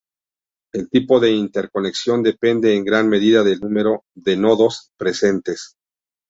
El tipo de interconexión depende en gran medida del número de nodos presentes.